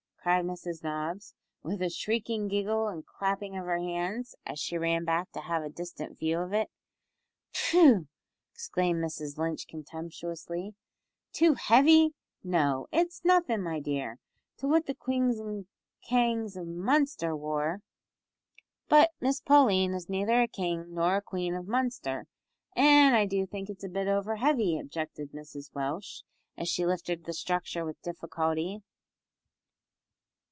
cried Mrs Nobbs, with a shrieking giggle and clapping of her hands, as she ran back to have a distant view of it. "Pooh!" exclaimed Mrs Lynch contemptuously, "too heavy? No, it's nothin', my dear, to what the kings an' quanes of Munster wore." "But Miss Pauline is neither a king nor a queen of Munster, an' I do think it's a bit over heavy," objected Mrs Welsh, as she lifted the structure with difficulty.